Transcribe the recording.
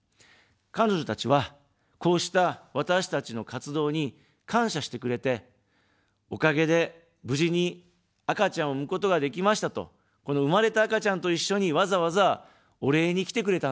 彼女たちは、こうした私たちの活動に感謝してくれて、おかげで無事に赤ちゃんを産むことができましたと、この生まれた赤ちゃんと一緒に、わざわざ、お礼に来てくれたんです。